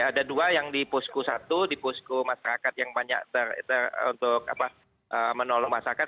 ada dua yang di posko satu di pusku masyarakat yang banyak untuk menolong masyarakat